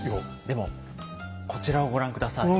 でもこちらをご覧下さい。